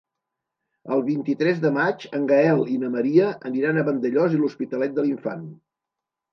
El vint-i-tres de maig en Gaël i na Maria aniran a Vandellòs i l'Hospitalet de l'Infant.